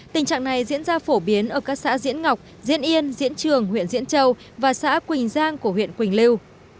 tình trạng này diễn ra phổ biến ở các xã diễn ngọc diễn yên diễn trường huyện diễn châu và xã quỳnh giang của huyện quỳnh lưu